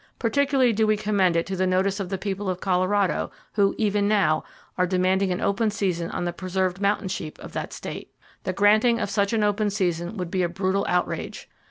Particularly do we commend it to the notice of the people of Colorado who even now are demanding an open season on the preserved mountain sheep of that state. The granting of such an open season would be a brutal outrage.